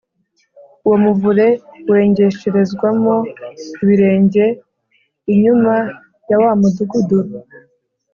Uwo muvure wengesherezwamo ibirenge inyuma ya wa mudugudu,